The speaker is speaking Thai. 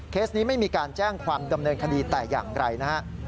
นี้ไม่มีการแจ้งความดำเนินคดีแต่อย่างไรนะฮะ